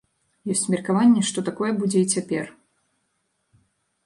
Ёсць меркаванне, што такое будзе і цяпер.